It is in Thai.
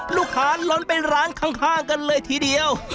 ลูกค้านล้อนไปร้านข้างกันเลยทีเดียว